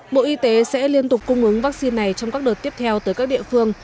bộ y tế sẽ liên tục cung ứng vaccine này trong các đợt tiếp theo tới các địa phương